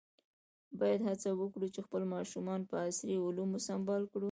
باید هڅه وکړو چې خپل ماشومان په عصري علومو سمبال کړو.